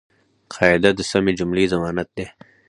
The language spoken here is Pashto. قاعده د سمي جملې ضمانت دئ.